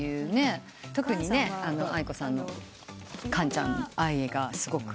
特にａｉｋｏさんのＫＡＮちゃんへの愛がすごく。